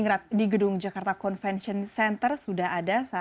beri ketulasannya untuk anda